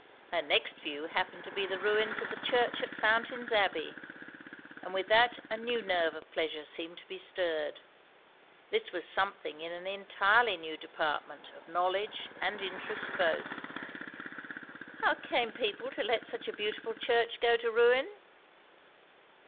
Her next view happened to be the ruins of the Church at Fountain's Abbey; and with that a new nerve of pleasure seemed to be stirred. This was something in an entirely new department, of knowledge and interest both. "How came people to let such a beautiful church go to ruin?"